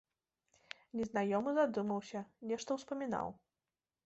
Незнаёмы задумаўся, нешта ўспамінаў.